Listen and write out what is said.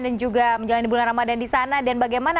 dan juga menjalani bulan ramadan di sana dan bagaimana